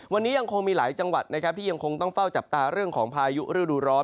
วันนี้ยังคงมีหลายจังหวัดนะครับที่ยังคงต้องเฝ้าจับตาเรื่องของพายุฤดูร้อน